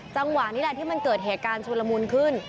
จังหวะนี้แหละที่มันเกิดเหตุการณ์ชุลมุนขึ้น